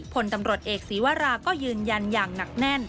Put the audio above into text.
ผลตำรวจเอกศีวราก็ยืนยันอย่างหนักแน่น